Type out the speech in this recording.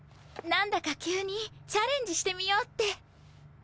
何だか急にチャレンジしてみようって。